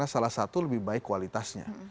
karena salah satu lebih baik kualitasnya